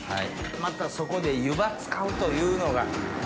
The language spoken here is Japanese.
またそこで湯葉使うというのが。